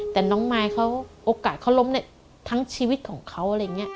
แต่น้องมายเขาโอกาสเขาล้มได้ทั้งชีวิตของเขา